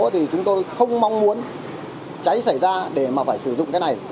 thì chúng tôi không mong muốn cháy xảy ra để mà phải sử dụng cái này